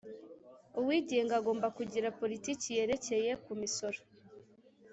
uwigenga agomba kugira politiki yerekeye ku misoro